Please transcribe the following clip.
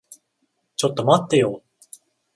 ちょっと待ってよ。